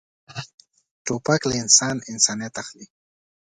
توپک له انسان انسانیت اخلي.